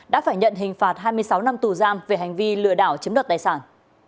đã phải nhận hình phạt hai mươi sáu năm tù giam về hành vi lừa đảo chiếm đoạt tài sản